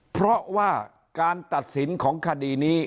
เพราะว่าการตัดสินของคดีนี้